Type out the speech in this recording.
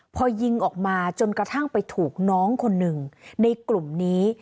พอยิงออกมาจนกระทั่งไปถูกน้องคนหนึ่งในกลุ่มนี้